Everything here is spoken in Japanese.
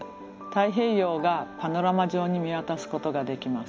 太平洋がパノラマ上に見渡すことができます。